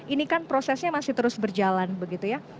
ini kan prosesnya masih terus berjalan begitu ya